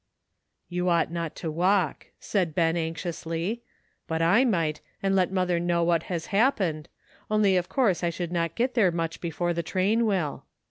"You ought not to walk," said Ben anxiously, "but I might, and let mother know what has happened, only of course I shoujd not get there much before the train will."